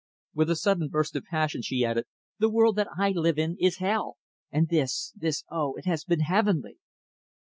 With a sudden burst of passion, she added, "The world that I live in is hell; and this this oh, it has been heavenly!"